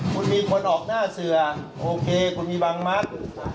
คุณมีคนออกหน้าเสือคุณมีบังมัติ